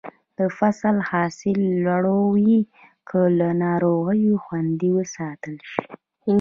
د فصل حاصل لوړوي که له ناروغیو خوندي وساتل شي.